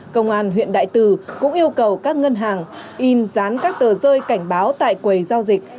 công an huyện đại từ cũng yêu cầu các ngân hàng in dán các tờ rơi cảnh báo tại quầy giao dịch